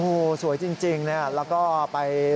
โอ้โหสวยจริงแล้วก็ไป